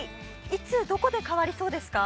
いつ、どこで変わりそうですか？